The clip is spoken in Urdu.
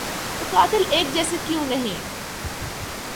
تو قاتل ایک جیسے کیوں نہیں؟